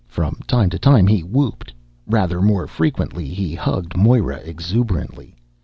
From time to time he whooped. Rather more frequently, he hugged Moira exuberantly.